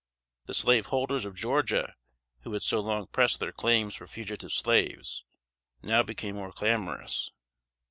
The slaveholders of Georgia, who had so long pressed their claims for fugitive slaves, now became more clamorous.